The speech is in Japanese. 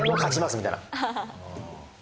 みたいな。